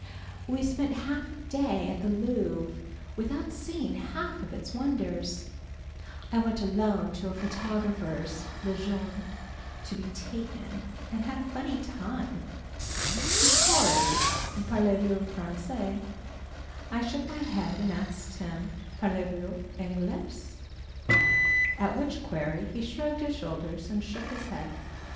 We spent half a day at the Louvre without seeing half of its wonders. I went alone to a photographer's, Le Jeune, to be "taken" and had a funny time. He queried "Parlez vous Français?" I shook my head and asked him "Parlez vous Anglaise?" at which query he shrugged his shoulders and shook his head!